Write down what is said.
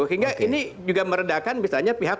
hingga ini juga meredakan misalnya pihak